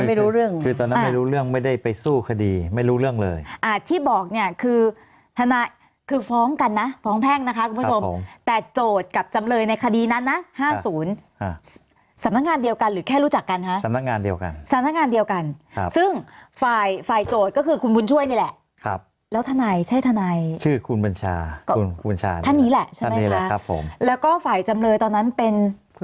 ไม่รู้เรื่องไม่ได้ไปสู้คดีไม่รู้เรื่องเลยอ่าที่บอกเนี่ยคือทนายคือฟ้องกันนะฟ้องแพงนะคะคุณผู้ชมแต่โจทย์กับจำเลยในคดีนั้นนะ๕๐สำนักงานเดียวกันหรือแค่รู้จักกันฮะสำนักงานเดียวกันสำนักงานเดียวกันซึ่งฝ่ายฝ่ายโจทย์ก็คือคุณบุญช่วยนี่แหละครับแล้วทนายใช่ทนายคือคุณบัญชาคุณบัญชาน